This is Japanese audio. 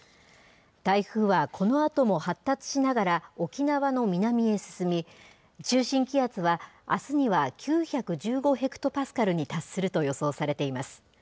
台風はこのあとも発達しながら沖縄の南へ進み、中心気圧は、あすには９１５ヘクトパスカルに達すると予想されています。